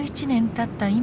１１年たった